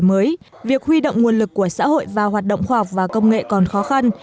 mới việc huy động nguồn lực của xã hội vào hoạt động khoa học và công nghệ còn khó khăn